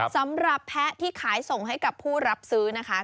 แพะที่ขายส่งให้กับผู้รับซื้อนะคะ